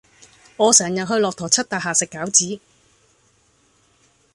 我成日去駱駝漆大廈食餃子